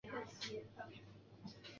这就是投影变换最直白的例子。